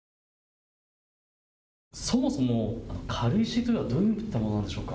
そもそも軽石というのはどういったものでしょうか。